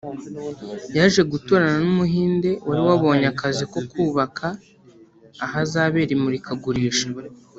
yaje guturana n’Umuhinde wari wabonye akazi ko kubaka ahazabera imurikagurisha